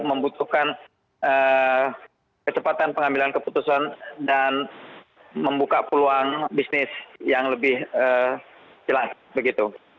membutuhkan kecepatan pengambilan keputusan dan membuka peluang bisnis yang lebih jelas begitu